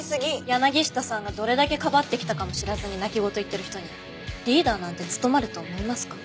柳下さんがどれだけかばってきたかも知らずに泣き言言ってる人にリーダーなんて務まると思いますか？